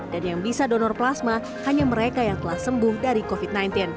dan yang bisa donor plasma hanya mereka yang telah sembuh dari covid sembilan belas